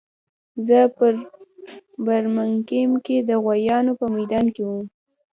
زه په برمنګهم کې د غویانو په میدان کې وم